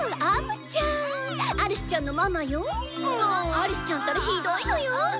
アリスちゃんたらひどいのよん！